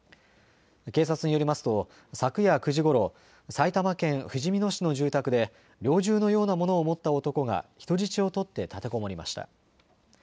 警察によりますと昨夜９時ごろ、埼玉県ふじみ野市の住宅で猟銃のようなものを持った男が人質を取って立てこもりました。